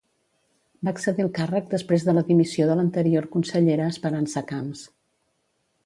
Va accedir al càrrec després de la dimissió de l'anterior consellera Esperança Camps.